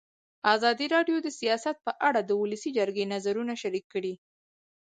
ازادي راډیو د سیاست په اړه د ولسي جرګې نظرونه شریک کړي.